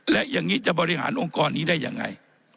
และอย่างนี้จะบริหารองค์กรนี้ได้ยังไง